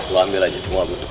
lo ambil aja semua yang gua butuh